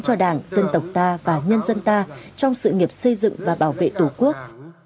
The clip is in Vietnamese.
cho đảng dân tộc ta và nhân dân ta trong sự nghiệp xây dựng và bảo vệ tổ quốc